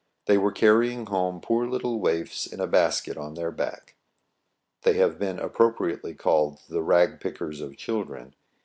They were carrying home poor little waifs in a basket on their back. They have been appro priately called the " rag pickers of children."